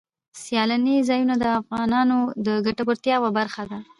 سیلاني ځایونه د افغانانو د ګټورتیا یوه برخه ده.